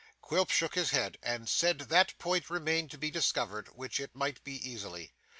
Quilp shook his head, and said that point remained to be discovered, which it might be, easily.